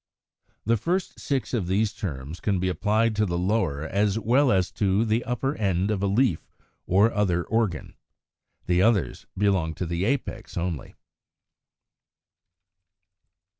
The first six of these terms can be applied to the lower as well as to the upper end of a leaf or other organ. The others belong to the apex only.